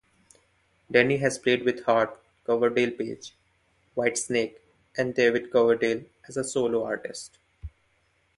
Denny has played with Heart, Coverdale-Page, Whitesnake, and David Coverdale as a solo artist.